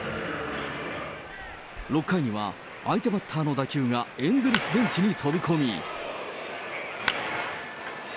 ６回には、相手バッターの打球がエンゼルスベンチに飛び込み。